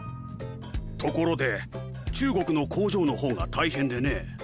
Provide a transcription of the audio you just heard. ところで中国の工場のほうが大変でね。